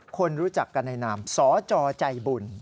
คนรู้จักกันในนามสจใจบุญ